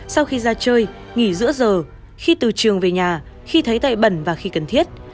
sau khi ra chơi nghỉ giữa giờ khi từ trường về nhà khi thấy tay bẩn và khi cần thiết